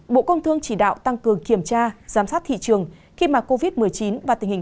bộ công thương chỉ đạo tăng cường kiểm tra giám sát thị trường khi mà covid một mươi chín và tình hình